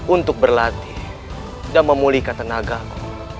untuk berlatih dan memulihkan tenagaku